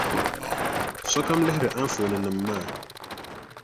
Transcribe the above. Sokam lihiri anfooninima maa.